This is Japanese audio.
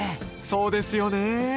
そうですよね。